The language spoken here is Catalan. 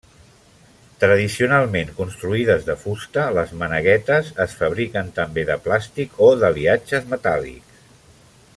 Tradicionalment construïdes de fusta, les maneguetes es fabriquen també de plàstic o d'aliatges metàl·lics.